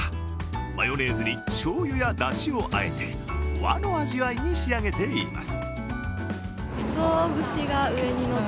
マヨネーズにしょうゆやだしを和えて和の味わいに仕上げています。